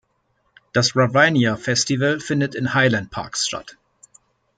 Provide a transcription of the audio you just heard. Das Ravinia Festival findet in Highland Parks statt.